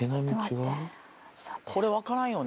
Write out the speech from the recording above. これ分からんよね。